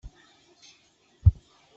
Awi-add-it ɣel Uwqas.